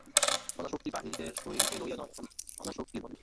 অনাসক্তি বাহিরের শরীরকে লইয়া নয়, অনাসক্তি মনে।